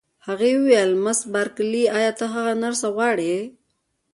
هغې وویل: مس بارکلي، ایا ته هغه نرسه غواړې؟